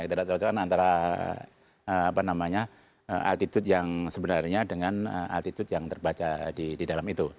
ketidak cocokan antara attitude yang sebenarnya dengan attitude yang terbaca di dalam itu